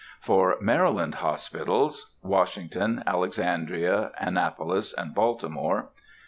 For Maryland hospitals. (Washington, Alexandria, Annapolis, and Baltimore.)